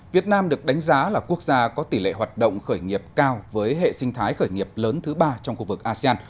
việt nam được đánh giá là quốc gia có tỷ lệ hoạt động khởi nghiệp cao với hệ sinh thái khởi nghiệp lớn thứ ba trong khu vực asean